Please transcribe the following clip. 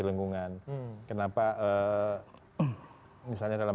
lingkungan kenapa misalnya dalam